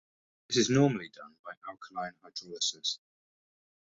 This is normally done by alkaline hydrolysis.